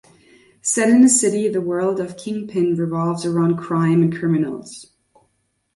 Set in a city, the world of "Kingpin" revolves around crime and criminals.